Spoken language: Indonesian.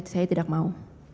saya tidak mau